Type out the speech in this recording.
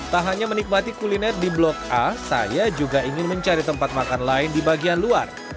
tak hanya menikmati kuliner di blok a saya juga ingin mencari tempat makan lain di bagian luar